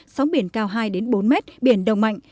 sóng biển cao hai đến bốn m biển đồng mạnh